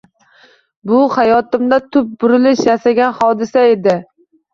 Bu hayotimda tub burilish yasagan hodisa edi